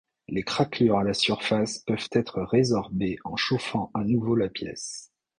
Les craquelures à la surface peuvent être résorbées en chauffant à nouveau la pièce.